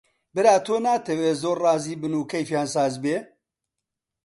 برا تۆ ناتەوێ زۆر ڕازی بن و کەیفیان ساز بێ؟